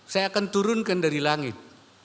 saya akan turunkan dari langit